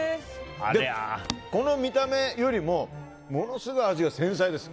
この見た目よりもものすごい味が繊細です。